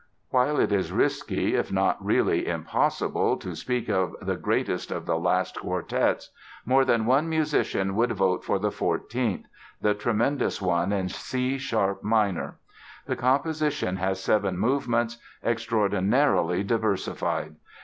While it is risky, if not really impossible, to speak of the "greatest" of the last quartets, more than one musician would vote for the fourteenth—the tremendous one in C sharp minor. The composition has seven movements, extraordinarily diversified.